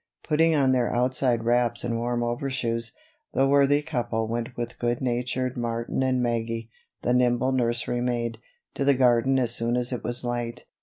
Putting on their outside wraps and warm overshoes, the worthy couple went with good natured Martin and Maggie, the nimble nursery maid, to the garden as soon as it was light.